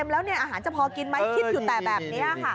แล้วเนี่ยอาหารจะพอกินมั้ยคิดอยู่แต่แบบนี้